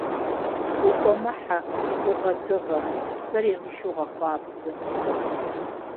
Укъуэмыхьэ, гугъэ-дыгъэ, псэр емышу гъэхъуапсэ.